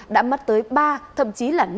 đã mất tới ba thậm chí là